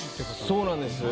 そうなんです。